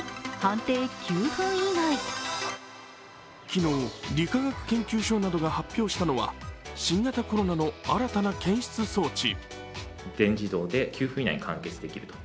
昨日、理化学研究所などが発表したのは新型コロナの新たな検出装置。